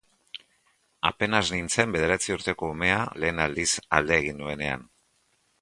Apenas nintzen bederatzi urteko umea lehen aldiz alde egin nuenean.